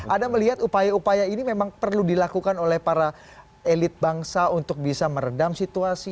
anda melihat upaya upaya ini memang perlu dilakukan oleh para elit bangsa untuk bisa meredam situasi